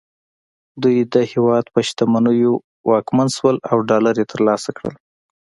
دوی د هېواد په شتمنیو واکمن شول او ډالر یې ترلاسه کړل